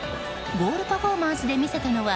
ゴールパフォーマンスで見せたのは